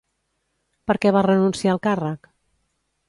Per què va renunciar al càrrec?